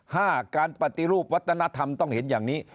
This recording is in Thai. ห้าการปฏิรูปวัฒนธรรมต้องเห็นอย่างนี้